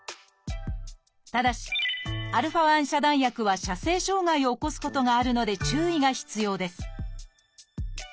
ただしα遮断薬は射精障害を起こすことがあるので注意が必要です。